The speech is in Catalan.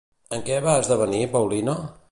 En què va esdevenir Paulina?